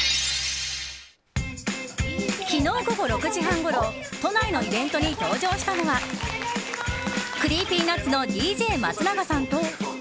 昨日午後６時半ごろ都内のイベントに登場したのはＣｒｅｅｐｙＮｕｔｓのＤＪ松永さんと。